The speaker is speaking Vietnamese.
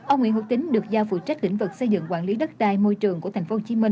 ông nguyễn hữu tính được giao phụ trách lĩnh vực xây dựng quản lý đất đai môi trường của tp hcm